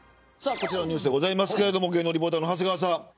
こちらのニュースですけど芸能リポーターの長谷川さん。